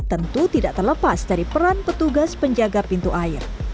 tentu tidak terlepas dari peran petugas penjaga pintu air